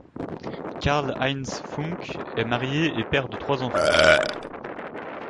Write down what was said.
Karl-Heinz Funke est marié et père de trois enfants.